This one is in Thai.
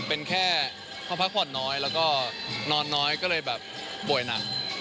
เป็นแค่เขาพักผ่อนน้อยแล้วก็นอนน้อยก็เลยแบบป่วยหนัก